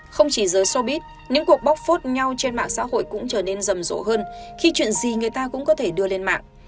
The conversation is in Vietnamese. không chỉ giới sobit những cuộc bóc phốt nhau trên mạng xã hội cũng trở nên rầm rộ hơn khi chuyện gì người ta cũng có thể đưa lên mạng